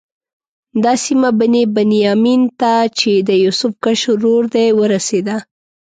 دا سیمه بني بنیامین ته چې د یوسف کشر ورور دی ورسېده.